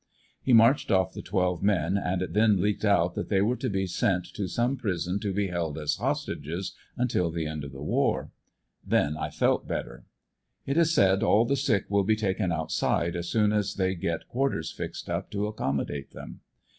He marched off the twelve men and it then leaked out that they were to be sent to some prison to be held as hostages until the end of the war. Then I felt better, it is said all the sick will be taken outside as soon as they get quar ters fixed up to accommodate them.